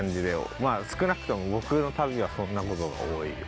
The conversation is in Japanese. まあ少なくとも僕の旅はそんな事が多いよ。